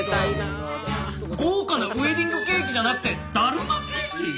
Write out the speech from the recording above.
豪華なウエディングケーキじゃなくてだるまケーキ？